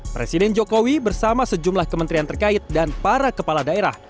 presiden jokowi bersama sejumlah kementerian terkait dan para kepala daerah